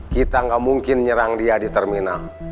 kita nggak mungkin nyerang dia di terminal